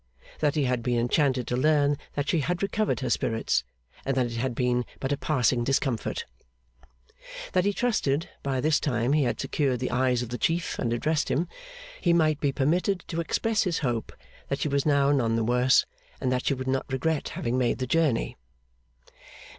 That he had been enchanted to learn that she had recovered her spirits, and that it had been but a passing discomfort. That he trusted (by this time he had secured the eyes of the Chief, and addressed him) he might be permitted to express his hope that she was now none the worse, and that she would not regret having made the journey.